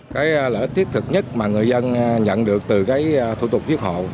cái lợi tiết thực nhất mà người dân nhận được từ cái thủ tục viết hộ